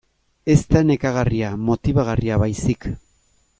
Ez da nekagarria, motibagarria baizik.